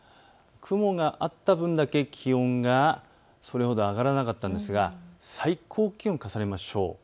雲があった分だけ気温がそれほど上がらなかったんですが最高気温を重ねましょう。